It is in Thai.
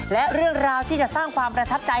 และเรื่องราวที่จะสร้างความประทับใจ